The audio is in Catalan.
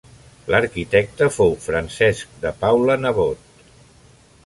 L'arquitecte fou Francesc de Paula Nebot.